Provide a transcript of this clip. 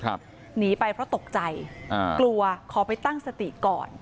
หนีไปเพราะตกใจอ่ากลัวขอไปตั้งสติก่อน